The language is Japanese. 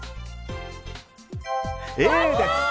Ａです。